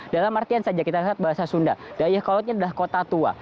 dalam artian saja kita lihat bahasa sunda dayakolotnya adalah kota tua